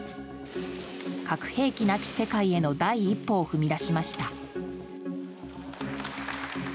核兵器なき世界への第一歩を踏み出しました。